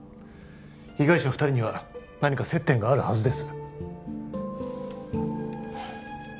被害者二人には何か接点があるはずです